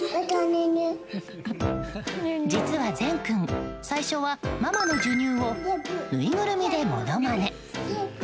実は、ゼン君最初はママの授乳をぬいぐるみでものまね。